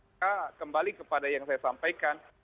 maka kembali kepada yang saya sampaikan